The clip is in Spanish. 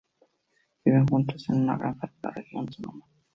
Viven juntas en una granja en la región de Sonoma.